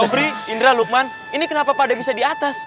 sobri indra lukman ini kenapa pak dek bisa di atas